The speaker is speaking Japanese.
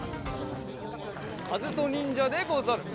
かずとにんじゃでござる！